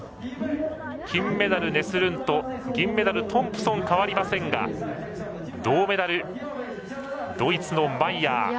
金メダル、ネスルント銀メダル、トンプソン変わりませんが銅メダル、ドイツのマイヤー。